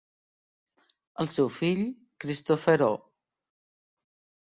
El seu fill, Christopher O.